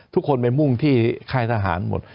ทุกคนไปมุ่งที่ค่ายทหารหมด